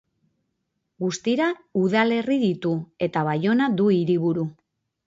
Guztira udalerri ditu, eta Baiona du hiriburu.